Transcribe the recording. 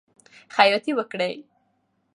خیاطی وکړئ.